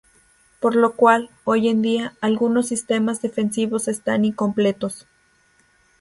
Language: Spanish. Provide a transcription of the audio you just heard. Por lo cual, hoy en día, algunos sistemas defensivos están incompletos.